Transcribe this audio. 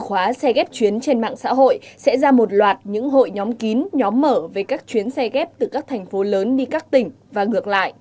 khóa xe ghép chuyến trên mạng xã hội sẽ ra một loạt những hội nhóm kín nhóm mở về các chuyến xe ghép từ các thành phố lớn đi các tỉnh và ngược lại